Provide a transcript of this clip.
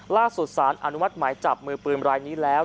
สารอนุมัติหมายจับมือปืนรายนี้แล้ว